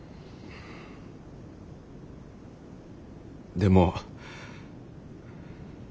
でも。